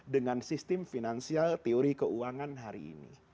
dengan sistem finansial teori keuangan hari ini